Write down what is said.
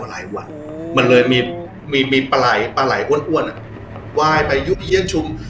หลายวันมันเลยมีมีมีปลายปลาไหล่อ้วนอ้วนอ่ะวายไปยุ่งเยี้ยงชุม